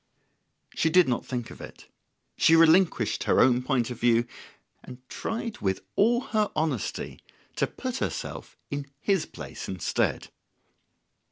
She did not think of it. She relinquished her own point of view, and tried with all her honesty to put herself in his place instead.